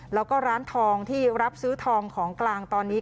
แล้วก็ร้านทองที่รับซื้อทองของกลางตอนนี้